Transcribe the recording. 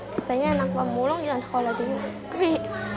katanya anak kamu belum di sekolah ini